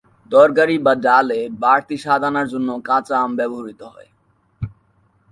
তরকারি বা ডালে বাড়তি স্বাদ আনার জন্যও কাঁচা আম ব্যবহূত হয়।